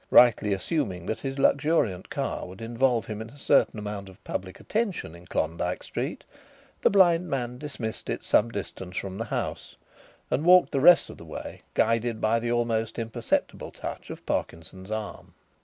Rightly assuming that his luxuriant car would involve him in a certain amount of public attention in Klondyke Street, the blind man dismissed it some distance from the house, and walked the rest of the way, guided by the almost imperceptible touch of Parkinson's arm.